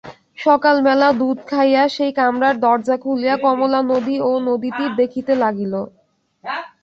সকালবেলা দুধ খাইয়া সেই কামরার দরজা খুলিয়া কমলা নদী ও নদীতীর দেখিতে লাগিল।